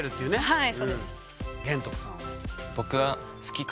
はい。